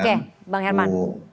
oke bang herman